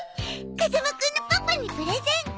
風間くんのパパにプレゼント。